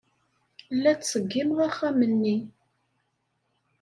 La ttṣeggimeɣ axxam-nni.